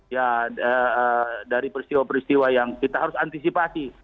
ya dari peristiwa peristiwa yang kita harus antisipasi